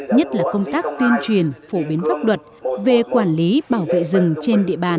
nhất là công tác tuyên truyền phổ biến pháp luật về quản lý bảo vệ rừng trên địa bàn